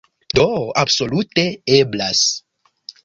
Do, absolute eblas.